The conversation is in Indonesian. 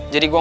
jadi gue mau